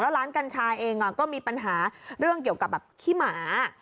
ร้านกัญชาเองก็มีปัญหาเรื่องเกี่ยวกับแบบขี้หมา